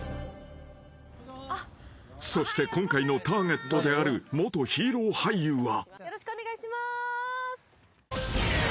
［そして今回のターゲットである元ヒーロー俳優は］